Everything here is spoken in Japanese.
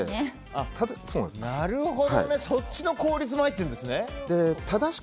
なるほどね、そっちの効率も入ってるんですね。